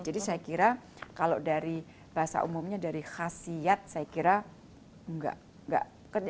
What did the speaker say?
jadi saya kira kalau dari bahasa umumnya dari khasiat saya kira tidak